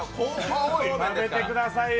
食べてくださいよ。